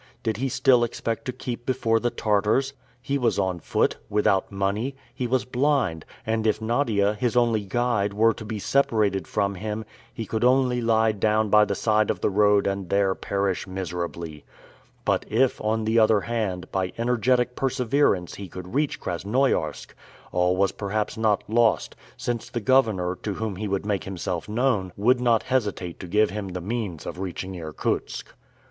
Did he still expect to keep before the Tartars? He was on foot, without money; he was blind, and if Nadia, his only guide, were to be separated from him, he could only lie down by the side of the road and there perish miserably. But if, on the other hand, by energetic perseverance he could reach Krasnoiarsk, all was perhaps not lost, since the governor, to whom he would make himself known, would not hesitate to give him the means of reaching Irkutsk.